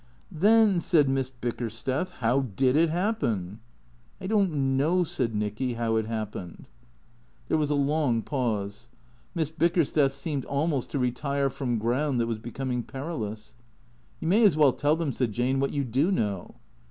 "Then," said Miss Bickersteth, "how did it happen?" " I don't know/' said Nicky, " how it happened." 98 T H E C R E A T 0 R S There was a long pause. Miss Bickersteth seemed almost to retire from ground that was becoming perilous. " You may as well tell them/' said Jane, " what you do know."